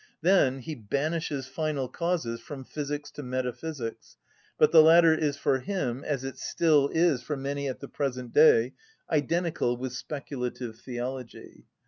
Then he banishes final causes from physics to metaphysics; but the latter is for him, as it is still for many at the present day, identical with speculative theology.